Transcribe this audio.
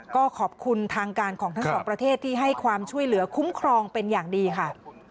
ก็ขอบคุณทางการของทั้งสองประเทศที่ให้ความช่วยเหลือคุ้มครองเป็นอย่างดีค่ะ